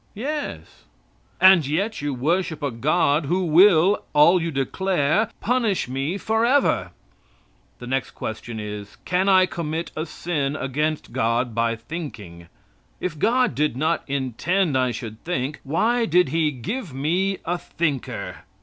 "Yes." "And yet you worship a God who will, all you declare, punish me forever." The next question then is: Can I commit a sin against God by thinking? If God did not intend I should think, why did He give me a "thinker."